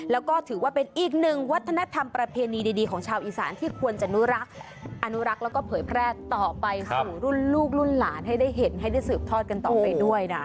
แล้วก็ถือว่าเป็นอีกหนึ่งวัฒนธรรมประเพณีดีของชาวอีสานที่ควรจะนุรักษ์อนุรักษ์แล้วก็เผยแพร่ต่อไปสู่รุ่นลูกรุ่นหลานให้ได้เห็นให้ได้สืบทอดกันต่อไปด้วยนะ